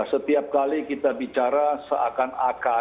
setiap kali kita bicara seakan akan